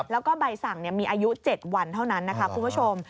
แล้วก็ใบสั่งมีอายุ๗วันเท่านั้นนะคะคุณผู้ชม